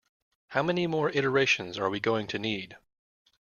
How many more iterations are we going to need?